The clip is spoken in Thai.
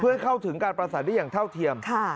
เพื่อให้เข้าถึงการประสานได้อย่างเท่าเทียม